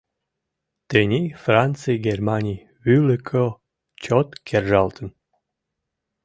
Тений Франций Германий вӱлыкӧ чот кержалтын.